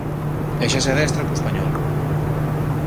E xa se adestra co Español.